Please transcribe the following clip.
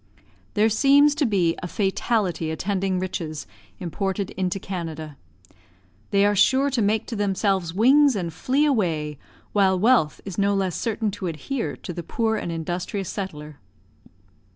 There seems to be a fatality attending riches imported into Canada. They are sure to make to themselves wings and flee away, while wealth is no less certain to adhere to the poor and industrious settler.